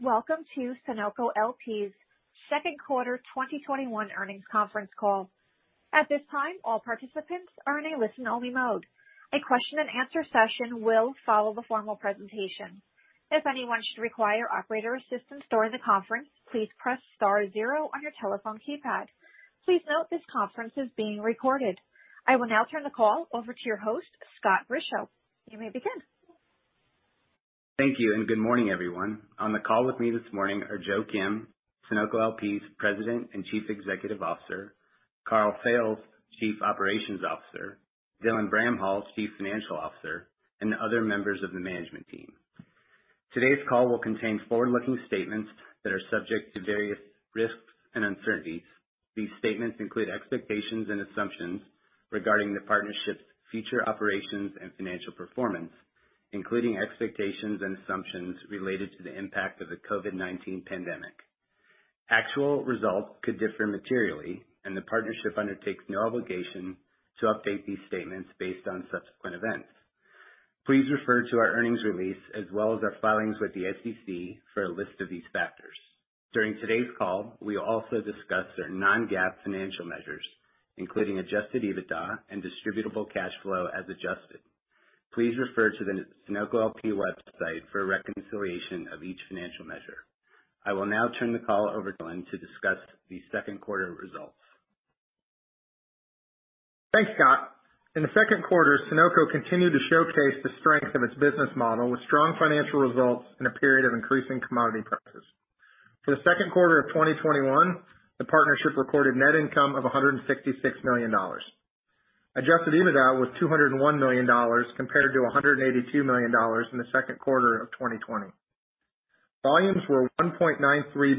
Welcome to Sunoco LP's Second Quarter 2021 Earnings Conference Call. At this time, all participants are in a listen-only mode. A question and answer session will follow the formal presentation. If anyone should require operator assistance during the conference, please press star zero on your telephone keypad. Please note this conference is being recorded. I will now turn the call over to your host, Scott Grischow. You may begin. Thank you, and good morning, everyone. On the call with me this morning are Joe Kim, Sunoco LP's President and Chief Executive Officer, Karl Fails, Chief Operations Officer, Dylan Bramhall, Chief Financial Officer, and the other members of the management team. Today's call will contain forward-looking statements that are subject to various risks and uncertainties. These statements include expectations and assumptions regarding the partnership's future operations and financial performance, including expectations and assumptions related to the impact of the COVID-19 pandemic. Actual results could differ materially, and the partnership undertakes no obligation to update these statements based on subsequent events. Please refer to our earnings release as well as our filings with the SEC for a list of these factors. During today's call, we will also discuss certain non-GAAP financial measures, including adjusted EBITDA and distributable cash flow as adjusted. Please refer to the Sunoco LP website for a reconciliation of each financial measure. I will now turn the call over to Dylan to discuss the second quarter results. Thanks, Scott. In the second quarter, Sunoco continued to showcase the strength of its business model with strong financial results in a period of increasing commodity prices. For the second quarter of 2021, the partnership recorded net income of $166 million. Adjusted EBITDA was $201 million compared to $182 million in the second quarter of 2020. Volumes were 1.93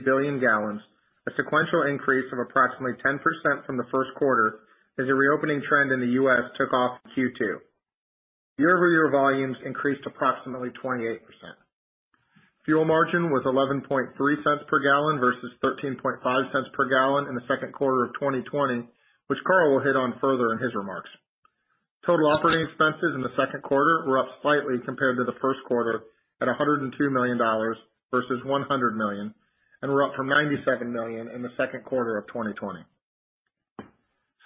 billion gallons, a sequential increase of approximately 10% from the first quarter as the reopening trend in the U.S. took off in Q2. Year-over-year volumes increased approximately 28%. Fuel margin was $0.113 per gallon versus $0.135 per gallon in the second quarter of 2020, which Karl will hit on further in his remarks. Total operating expenses in the second quarter were up slightly compared to the first quarter at $102 million versus $100 million, and were up from $97 million in the second quarter of 2020.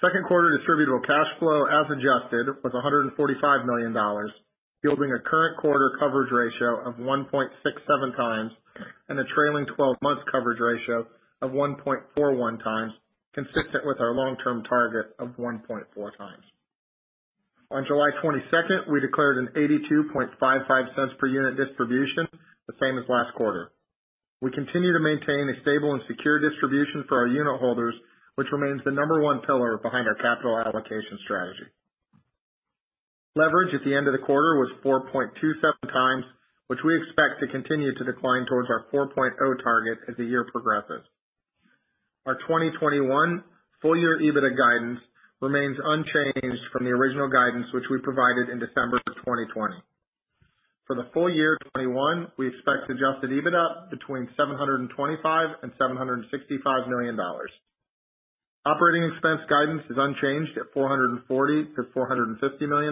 Second quarter distributable cash flow, as adjusted, was $145 million, yielding a current quarter coverage ratio of 1.67x and a trailing 12-month coverage ratio of 1.41x, consistent with our long-term target of 1.4x. On July 22nd, we declared an $0.8255 per unit distribution, the same as last quarter. We continue to maintain a stable and secure distribution for our unit holders, which remains the number one pillar behind our capital allocation strategy. Leverage at the end of the quarter was 4.27x, which we expect to continue to decline towards our 4.0 target as the year progresses. Our 2021 full-year EBITDA guidance remains unchanged from the original guidance which we provided in December of 2020. For the full year 2021, we expect adjusted EBITDA between $725 million and $765 million. Operating expense guidance is unchanged at $440 million-$450 million.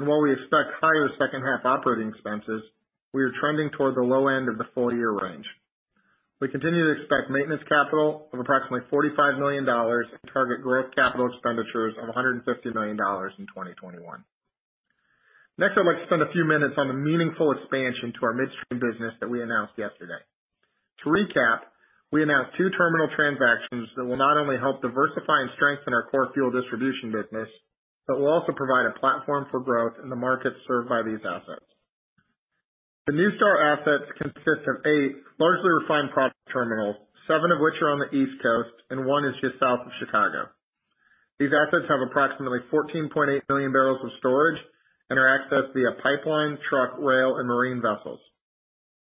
While we expect higher second-half operating expenses, we are trending toward the low end of the full-year range. We continue to expect maintenance capital of approximately $45 million and target growth capital expenditures of $150 million in 2021. Next, I'd like to spend a few minutes on the meaningful expansion to our midstream business that we announced yesterday. To recap, we announced two terminal transactions that will not only help diversify and strengthen our core fuel distribution business, but will also provide a platform for growth in the markets served by these assets. The NuStar assets consist of eight largely refined product terminals, seven of which are on the East Coast and one is just south of Chicago. These assets have approximately 14.8 million bbl of storage and are accessed via pipeline, truck, rail, and marine vessels.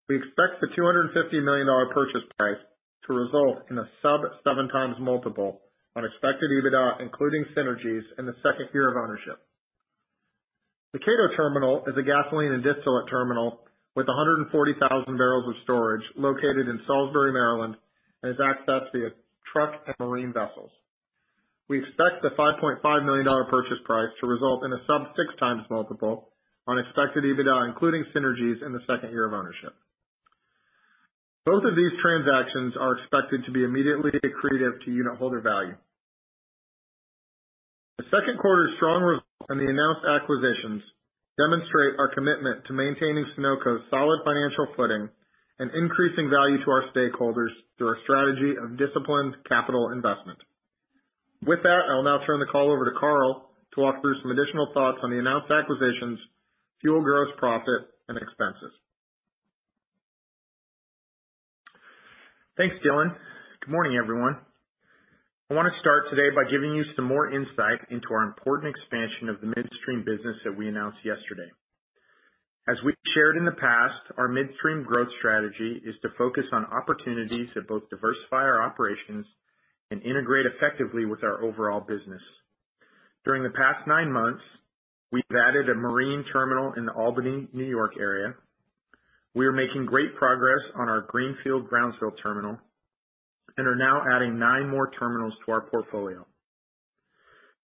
We expect the $250 million purchase price to result in a sub-seven times multiple on expected EBITDA, including synergies in the second year of ownership. The Cato Terminal is a gasoline and distillate terminal with 140,000 bbl of storage located in Salisbury, Maryland, and is accessed via truck and marine vessels. We expect the $5.5 million purchase price to result in a sub-six times multiple on expected EBITDA, including synergies in the second year of ownership. Both of these transactions are expected to be immediately accretive to unit holder value. The second quarter strong results and the announced acquisitions demonstrate our commitment to maintaining Sunoco's solid financial footing and increasing value to our stakeholders through a strategy of disciplined capital investment. With that, I will now turn the call over to Karl to walk through some additional thoughts on the announced acquisitions, fuel gross profit, and expenses. Thanks, Dylan. Good morning, everyone. I want to start today by giving you some more insight into our important expansion of the midstream business that we announced yesterday. As we've shared in the past, our midstream growth strategy is to focus on opportunities that both diversify our operations and integrate effectively with our overall business. During the past nine months, we've added a marine terminal in the Albany, New York area. We are making great progress on our greenfield Brownsville terminal and are now adding nine more terminals to our portfolio.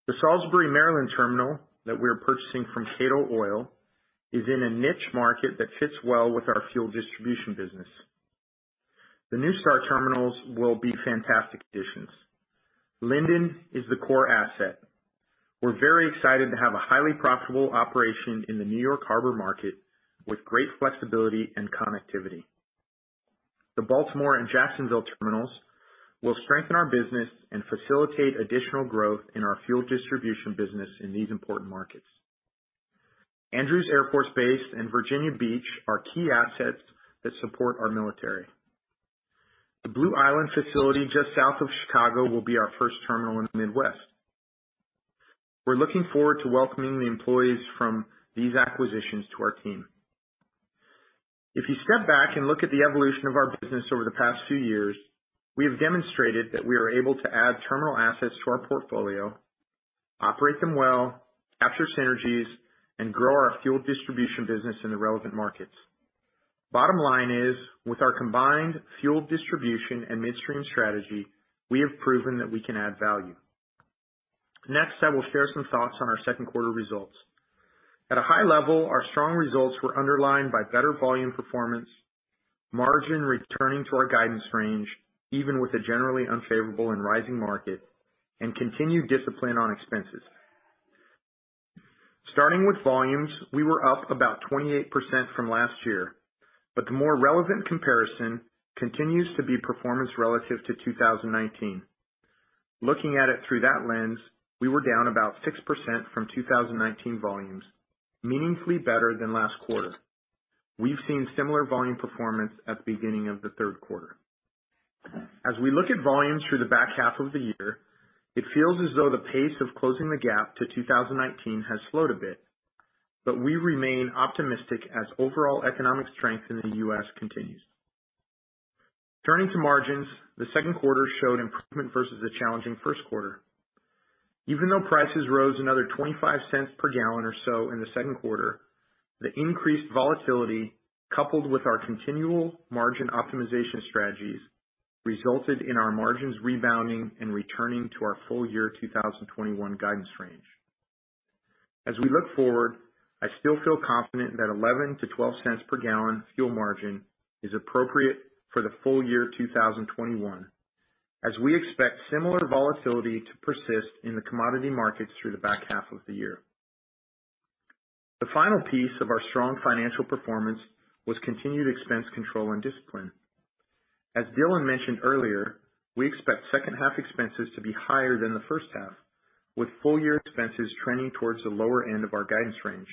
The Salisbury, Maryland terminal that we are purchasing from Cato Incorporated is in a niche market that fits well with our fuel distribution business. The NuStar terminals will be fantastic additions. Linden is the core asset. We're very excited to have a highly profitable operation in the New York Harbor market, with great flexibility and connectivity. The Baltimore and Jacksonville terminals will strengthen our business and facilitate additional growth in our fuel distribution business in these important markets. Andrews Air Force Base and Virginia Beach are key assets that support our military. The Blue Island facility just south of Chicago will be our first terminal in the Midwest. We're looking forward to welcoming the employees from these acquisitions to our team. If you step back and look at the evolution of our business over the past few years, we have demonstrated that we are able to add terminal assets to our portfolio, operate them well, capture synergies, and grow our fuel distribution business in the relevant markets. Bottom line is, with our combined fuel distribution and midstream strategy, we have proven that we can add value. Next, I will share some thoughts on our second quarter results. At a high level, our strong results were underlined by better volume performance, margin returning to our guidance range, even with a generally unfavorable and rising market, and continued discipline on expenses. Starting with volumes, we were up about 28% from last year, but the more relevant comparison continues to be performance relative to 2019. Looking at it through that lens, we were down about 6% from 2019 volumes, meaningfully better than last quarter. We've seen similar volume performance at the beginning of the 3rd quarter. As we look at volumes through the back half of the year, it feels as though the pace of closing the gap to 2019 has slowed a bit, but we remain optimistic as overall economic strength in the U.S. continues. Turning to margins, the second quarter showed improvement versus a challenging first quarter. Even though prices rose another $0.25 per gallon or so in the second quarter, the increased volatility, coupled with our continual margin optimization strategies, resulted in our margins rebounding and returning to our full year 2021 guidance range. As we look forward, I still feel confident that $0.11-$0.12 per gallon fuel margin is appropriate for the full year 2021, as we expect similar volatility to persist in the commodity markets through the back half of the year. The final piece of our strong financial performance was continued expense control and discipline. As Dylan mentioned earlier, we expect second half expenses to be higher than the first half, with full year expenses trending towards the lower end of our guidance range.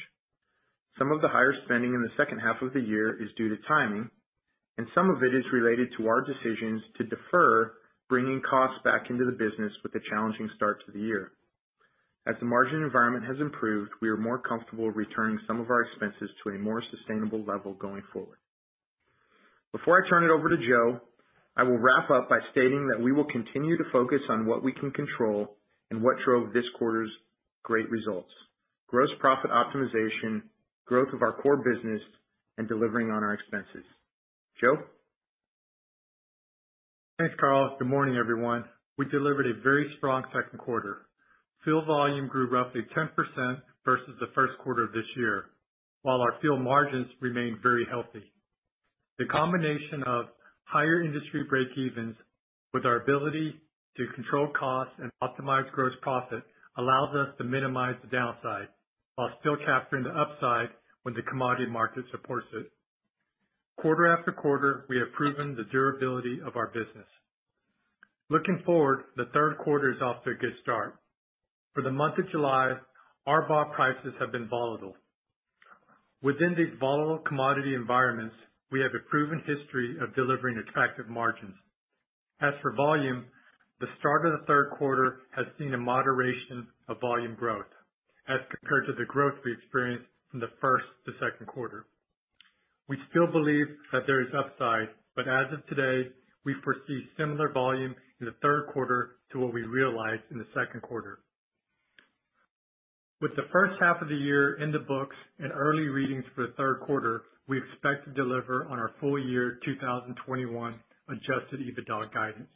Some of the higher spending in the second half of the year is due to timing, and some of it is related to our decisions to defer bringing costs back into the business with a challenging start to the year. As the margin environment has improved, we are more comfortable returning some of our expenses to a more sustainable level going forward. Before I turn it over to Joe, I will wrap up by stating that we will continue to focus on what we can control and what drove this quarter's great results: gross profit optimization, growth of our core business, and delivering on our expenses. Joe? Thanks, Karl. Good morning, everyone. We delivered a very strong second quarter. Fuel volume grew roughly 10% versus the first quarter of this year, while our fuel margins remained very healthy. The combination of higher industry breakevens with our ability to control costs and optimize gross profit allows us to minimize the downside while still capturing the upside when the commodity market supports it. Quarter-after-quarter, we have proven the durability of our business. Looking forward, the third quarter is off to a good start. For the month of July, RBOB prices have been volatile. Within these volatile commodity environments, we have a proven history of delivering attractive margins. As for volume, the start of the third quarter has seen a moderation of volume growth as compared to the growth we experienced from the first to second quarter. We still believe that there is upside, but as of today, we foresee similar volume in the third quarter to what we realized in the second quarter. With the first half of the year in the books and early readings for the third quarter, we expect to deliver on our full year 2021 adjusted EBITDA guidance.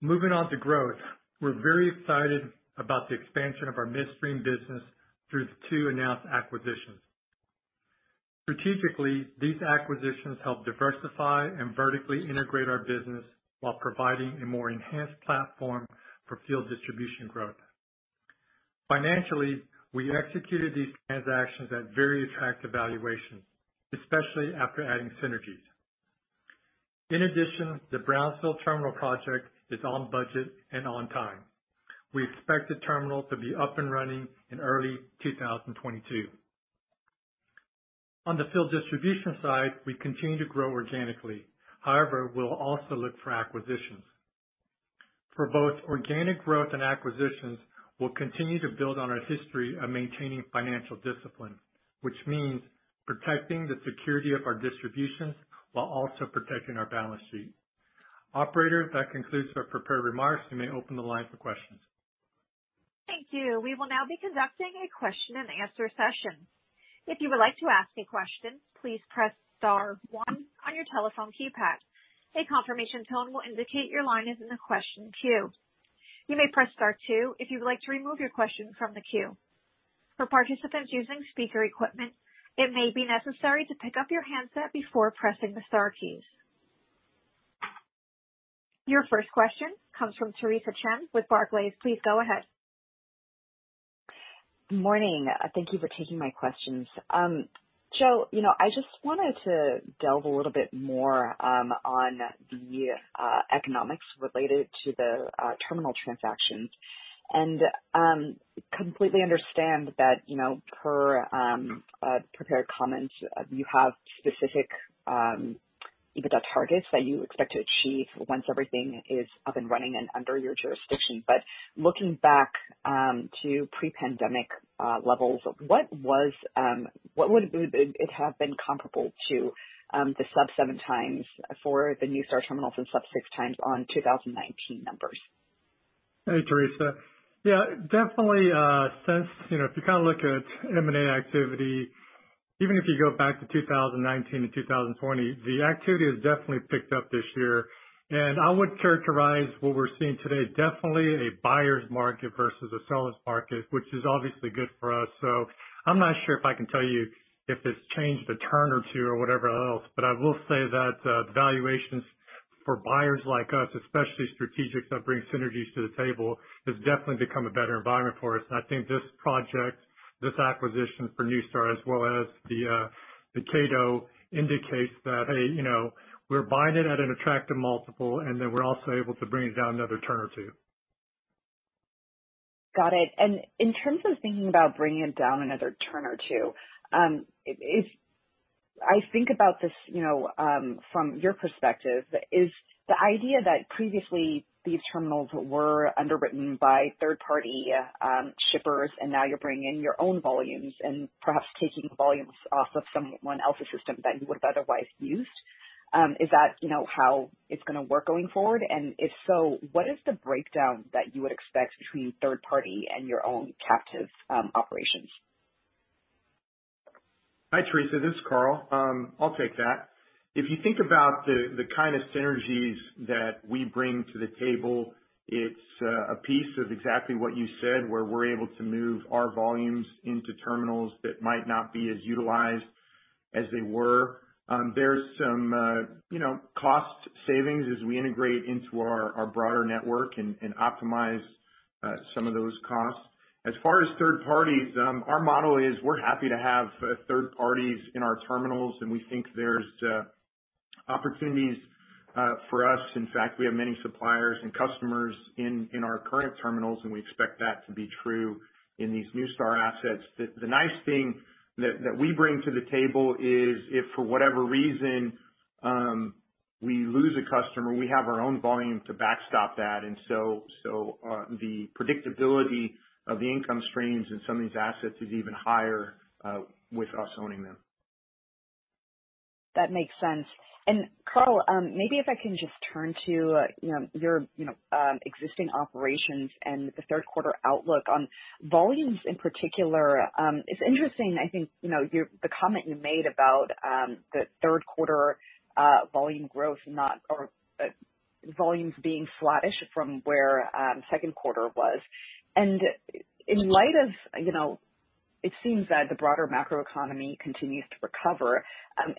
Moving on to growth. We're very excited about the expansion of our midstream business through the two announced acquisitions. Strategically, these acquisitions help diversify and vertically integrate our business while providing a more enhanced platform for fuel distribution growth. Financially, we executed these transactions at very attractive valuations, especially after adding synergies. In addition, the Brownsville terminal project is on budget and on time. We expect the terminal to be up and running in early 2022. On the fuel distribution side, we continue to grow organically. However, we'll also look for acquisitions. For both organic growth and acquisitions, we'll continue to build on our history of maintaining financial discipline, which means protecting the security of our distributions while also protecting our balance sheet. Operator, that concludes our prepared remarks. You may open the line for questions. Thank you. We will now be conducting a question and answer session. If you would like to ask a question, please press star one on your telephone keypad. A conformation tone will indicate your line is in the question queue. You may press star two if you'd like to remove your question from the queue. For participants using speaker equipment, it may be necessary to pick up you handset before pressing the star key. Your first question comes from Theresa Chen with Barclays. Please go ahead. Morning. Thank you for taking my questions. Joe, I just wanted to delve a little bit more on the economics related to the terminal transactions. Completely understand that per prepared comments, you have specific EBITDA targets that you expect to achieve once everything is up and running and under your jurisdiction. Looking back to pre-pandemic levels, what would it have been comparable to the sub seven times for the NuStar terminals and sub six times on 2019 numbers? Hey, Theresa. Yeah, definitely, if you look at M&A activity- even if you go back to 2019 and 2020, the activity has definitely picked up this year. I would characterize what we're seeing today, definitely a buyer's market versus a seller's market, which is obviously good for us. I'm not sure if I can tell you if it's changed a turn or two or whatever else, but I will say that valuations for buyers like us, especially strategics that bring synergies to the table, has definitely become a better environment for us. I think this project, this acquisition for NuStar as well as the Cato indicates that, hey, we're buying it at an attractive multiple, then we're also able to bring it down another turn or two. Got it. In terms of thinking about bringing it down another turn or two, I think about this from your perspective. Is the idea that previously these terminals were underwritten by third-party shippers and now you're bringing your own volumes and perhaps taking volumes off of someone else's system that you would have otherwise used? Is that how it's going to work going forward? If so, what is the breakdown that you would expect between third party and your own captive operations? Hi, Theresa, this is Karl. I'll take that. If you think about the kind of synergies that we bring to the table, it's a piece of exactly what you said- where we're able to move our volumes into terminals that might not be as utilized as they were. There's some cost savings as we integrate into our broader network and optimize some of those costs. As far as third parties, our model is we're happy to have third parties in our terminals, and we think there's opportunities for us. In fact, we have many suppliers and customers in our current terminals, and we expect that to be true in these NuStar assets. The nice thing that we bring to the table is if for whatever reason we lose a customer, we have our own volume to backstop that. The predictability of the income streams in some of these assets is even higher with us owning them. That makes sense. Karl, maybe if I can just turn to your existing operations and the third quarter outlook on volumes in particular. It's interesting, I think, the comment you made about the third quarter volume growth or volumes being flattish from where second quarter was. It seems that the broader macroeconomy continues to recover.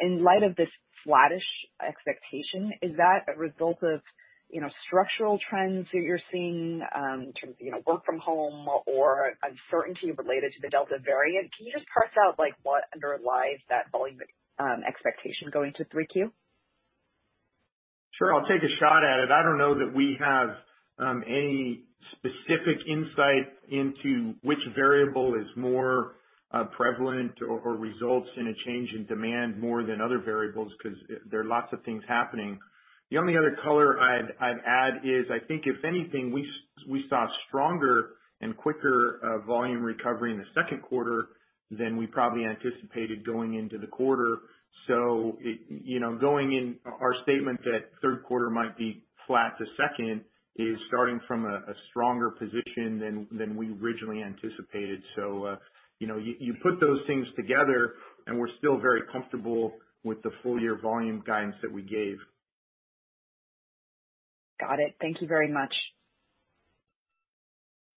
In light of this flattish expectation, is that a result of structural trends that you're seeing in terms of work from home or uncertainty related to the Delta variant? Can you just parse out what underlies that volume expectation going to 3Q? Sure. I'll take a shot at it. I don't know that we have any specific insight into which variable is more prevalent or results in a change in demand more than other variables, because there are lots of things happening. The only other color I'd add is, I think if anything, we saw stronger and quicker volume recovery in the second quarter than we probably anticipated going into the quarter. Going in, our statement that third quarter might be flat to second is starting from a stronger position than we originally anticipated. You put those things together, and we're still very comfortable with the full year volume guidance that we gave. Got it. Thank you very much.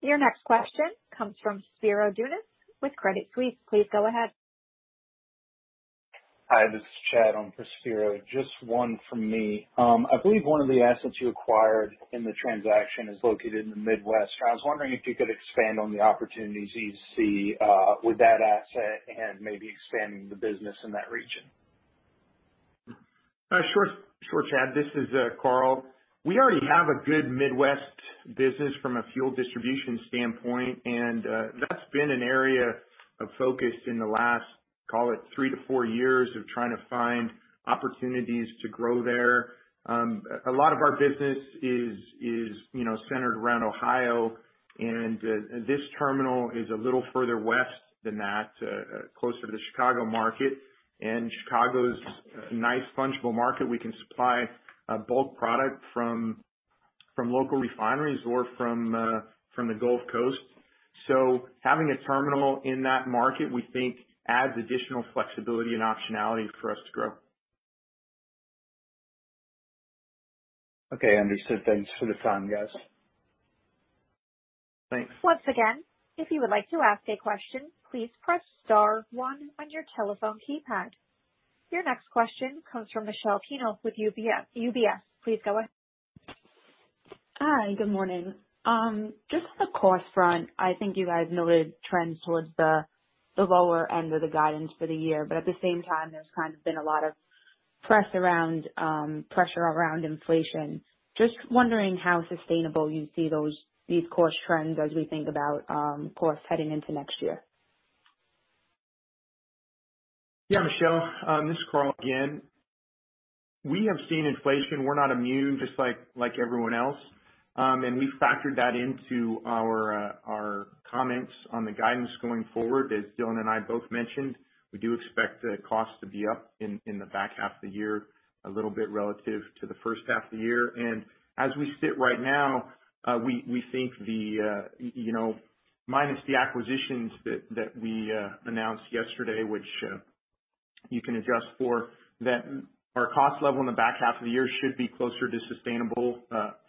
Your next question comes from Spiro Dounis with Credit Suisse. Please go ahead. Hi, this is Chad, on for Spiro. Just one from me. I believe one of the assets you acquired in the transaction is located in the Midwest. I was wondering if you could expand on the opportunities you see with that asset and maybe expanding the business in that region. Sure, Chad. This is Karl. We already have a good Midwest business from a fuel distribution standpoint, and that's been an area of focus in the last- call it three to four years, of trying to find opportunities to grow there. A lot of our business is centered around Ohio and this terminal is a little further west than that, closer to the Chicago market. Chicago is a nice fungible market- we can supply bulk product from local refineries or from the Gulf Coast. Having a terminal in that market, we think adds additional flexibility and optionality for us to grow. Okay. Understood. Thanks for the time, guys. Thanks. Once again, if you would like to ask a question, please press star one on your telephone keypad. Your next question comes from Michelle Kenel with UBS. Please go ahead. Hi. Good morning. Just on the cost front, I think you guys noted trends towards the lower end of the guidance for the year. At the same time, there's kind of been a lot of pressure around inflation. Just wondering how sustainable you see these cost trends as we think about costs heading into next year. Yeah, Michelle, this is Karl again. We have seen inflation. We're not immune, just like everyone else. We've factored that into our comments on the guidance going forward. As Dylan and I both mentioned, we do expect the cost to be up in the back half of the year, a little bit relative to the first half of the year. As we sit right now, we think minus the acquisitions that we announced yesterday, which you can adjust for- that our cost level in the back half of the year should be closer to sustainable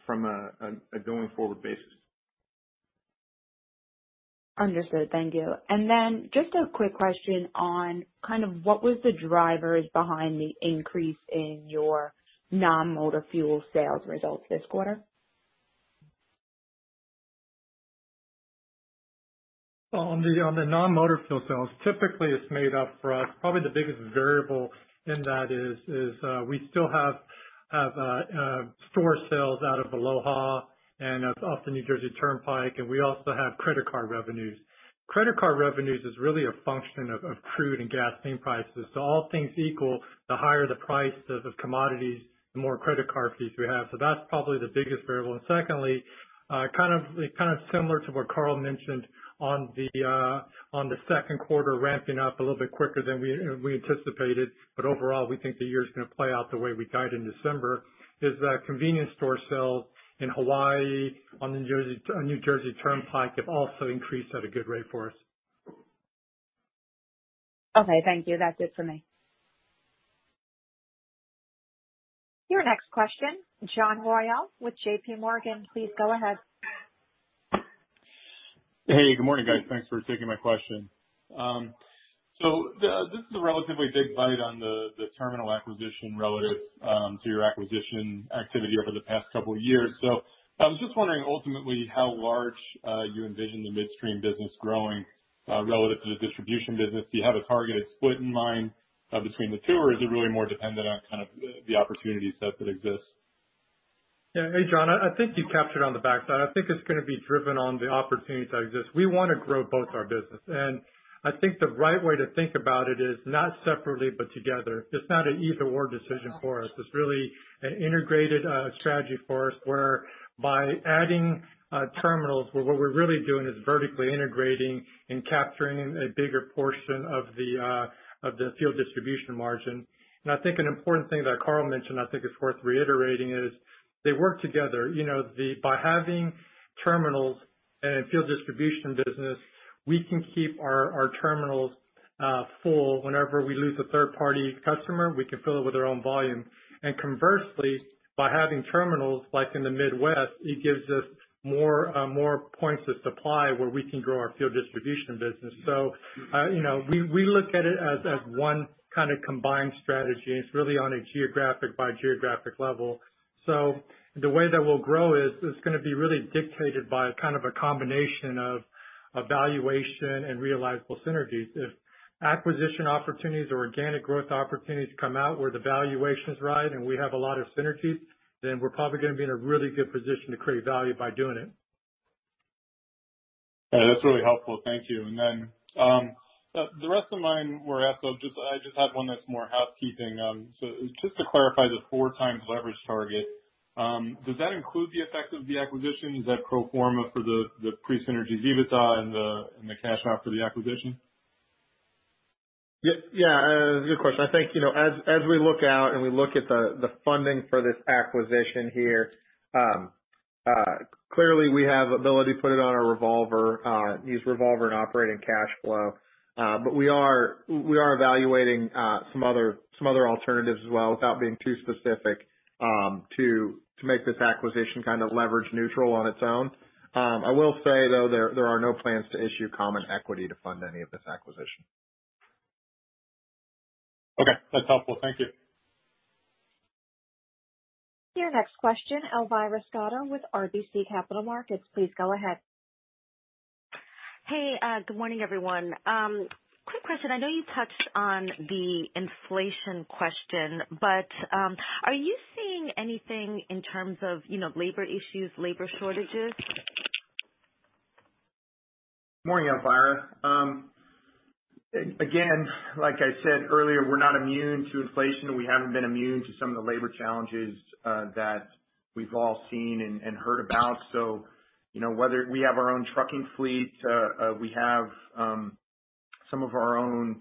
from a going forward basis. Understood. Thank you. Just a quick question on what was the drivers behind the increase in your non-motor fuel sales results this quarter? On the non-motor fuel sales, typically it's made up for us, probably the biggest variable in that is we still have store sales out of Aloha and off the New Jersey Turnpike, and we also have credit card revenues. Credit card revenues is really a function of crude and gasoline prices. All things equal, the higher the price of commodities, the more credit card fees we have. That's probably the biggest variable. Secondly, kind of similar to what Karl mentioned on the second quarter ramping up a little bit quicker than we anticipated, but overall, we think the year is going to play out the way we guided in December, is that convenience store sales in Hawaii, on the New Jersey Turnpike have also increased at a good rate for us. Okay, thank you. That's it for me. Your next question, John Royall with JPMorgan. Please go ahead. Hey, good morning, guys. Thanks for taking my question. This is a relatively big bite on the terminal acquisition relative to your acquisition activity over the past couple of years. I was just wondering, ultimately, how large you envision the midstream business growing relative to the distribution business. Do you have a targeted split in mind between the two, or is it really more dependent on kind of the opportunity set that exists? Yeah. Hey, John. I think you captured on the back side. I think it's going to be driven on the opportunities that exist. We want to grow both our business. I think the right way to think about it is not separately, but together. It's not an either/or decision for us. It's really an integrated strategy for us, where by adding terminals, what we're really doing is vertically integrating and capturing a bigger portion of the fuel distribution margin. I think an important thing that Karl mentioned, I think is worth reiterating, is they work together. By having terminals and a fuel distribution business, we can keep our terminals full. Whenever we lose a third-party customer, we can fill it with our own volume. Conversely, by having terminals like in the Midwest, it gives us more points of supply where we can grow our fuel distribution business. We look at it as one kind of combined strategy, and it's really on a geographic by geographic level. The way that we'll grow is, it's going to be really dictated by kind of a combination of valuation and realizable synergies. If acquisition opportunities or organic growth opportunities come out where the valuation is right and we have a lot of synergies, then we're probably going to be in a really good position to create value by doing it. Yeah, that's really helpful. Thank you. The rest of mine were asked, I just had one that's more housekeeping. Just to clarify the four times leverage target, does that include the effect of the acquisition? Is that pro forma for the pre-synergy EBITDA and the cash out for the acquisition? Yeah. Good question. I think, as we look out and we look at the funding for this acquisition here, clearly we have ability to put it on our revolver, use revolver and operating cash flow. We are evaluating some other alternatives as well, without being too specific, to make this acquisition kind of leverage neutral on its own. I will say, though, there are no plans to issue common equity to fund any of this acquisition. Okay. That's helpful. Thank you. Your next question, Elvira Scotto with RBC Capital Markets. Please go ahead. Hey, good morning, everyone. Quick question. I know you touched on the inflation question, but are you seeing anything in terms of labor issues, labor shortages? Morning, Elvira. Again, like I said earlier, we're not immune to inflation, and we haven't been immune to some of the labor challenges that we've all seen and heard about. We have our own trucking fleet. Some of our own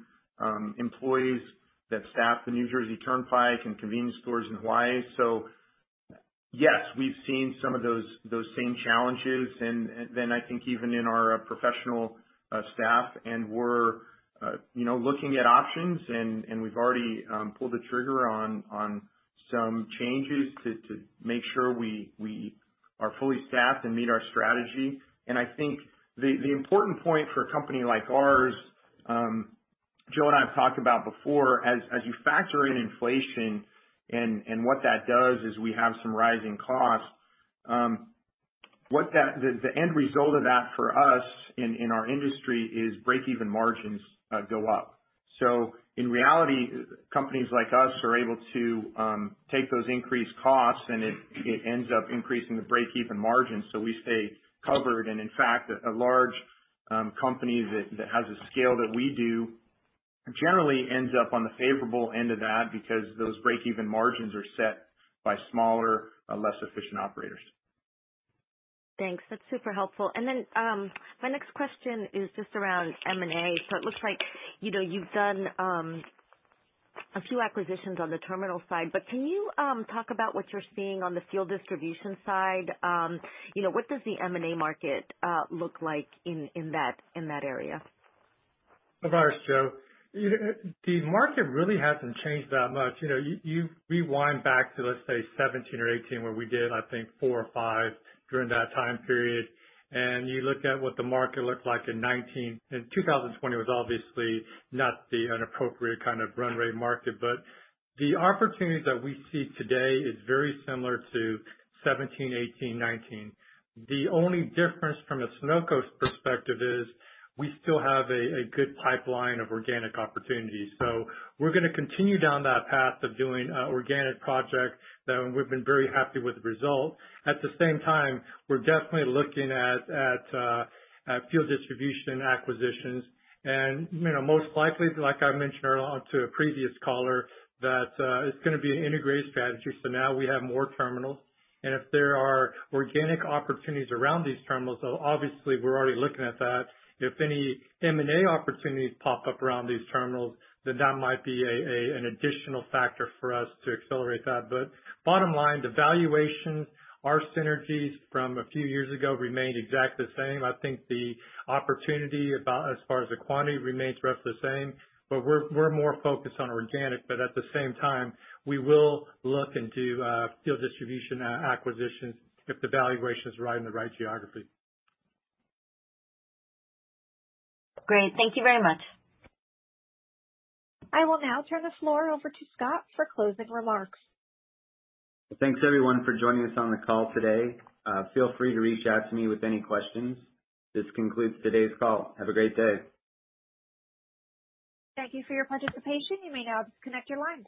employees that staff the New Jersey Turnpike and convenience stores in Hawaii. Yes, we've seen some of those same challenges, and then I think even in our professional staff, and we're looking at options, and we've already pulled the trigger on some changes to make sure we are fully staffed and meet our strategy. I think the important point for a company like ours- Joe and I have talked about before, as you factor in inflation and what that does is we have some rising costs. The end result of that for us in our industry is breakeven margins go up. In reality, companies like us are able to take those increased costs, and it ends up increasing the breakeven margin, so we stay covered. In fact, a large company that has a scale that we do generally ends up on the favorable end of that because those breakeven margins are set by smaller, less efficient operators. Thanks. That's super helpful. My next question is just around M&A. It looks like you've done a few acquisitions on the terminal side, but can you talk about what you're seeing on the fuel distribution side? What does the M&A market look like in that area? This is Joe. The market really hasn't changed that much. You rewind back to, let's say, 2017 or 2018, where we did, I think, four or five during that time period, and you look at what the market looked like in 2019, and 2020 was obviously not the appropriate kind of runway market. The opportunities that we see today is very similar to 2017, 2018, 2019. The only difference from a Sunoco perspective is we still have a good pipeline of organic opportunities. We're going to continue down that path of doing organic projects that we've been very happy with the result. At the same time, we're definitely looking at fuel distribution acquisitions and most likely, like I mentioned to a previous caller, that it's going to be an integrated strategy. Now we have more terminals, and if there are organic opportunities around these terminals, obviously we're already looking at that. If any M&A opportunities pop up around these terminals, then that might be an additional factor for us to accelerate that. Bottom line, the valuation, our synergies from a few years ago remained exactly the same. I think the opportunity about as far as the quantity remains roughly the same. We're more focused on organic, but at the same time, we will look into fuel distribution acquisitions if the valuation is right in the right geography. Great. Thank you very much. I will now turn the floor over to Scott for closing remarks. Thanks everyone for joining us on the call today. Feel free to reach out to me with any questions. This concludes today's call. Have a great day. Thank you for your participation. You may now disconnect your lines.